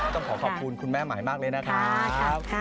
ต้องขอขอบคุณคุณแม่หมายมากเลยนะครับ